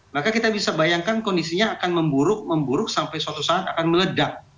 maka kita bisa bayangkan kondisinya akan memburuk memburuk sampai suatu saat akan meledak